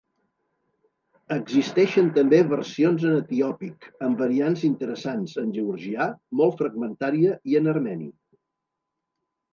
Existeixen també versions en etiòpic, amb variants interessants, en georgià, molt fragmentària i en armeni.